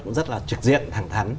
cũng rất trực diện thẳng thắn